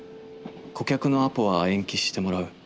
顧客のアポは延期してもらう。